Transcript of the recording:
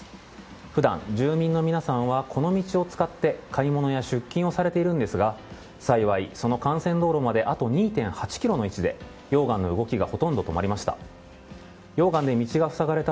普段、住民の皆さんはこの道を使って買い物や出勤をされているんですが幸い、その幹線道路まであと２．８ｋｍの位置で溶岩の動きがほぼ止まりました。